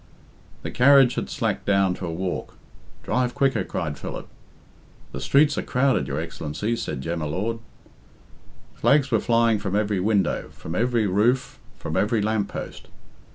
The carriage had slacked down to a walk. "Drive quicker," cried Philip. "The streets are crowded, your Excellency," said Jem y Lord. Flags were flying from every window, from every roof, from every lamp post.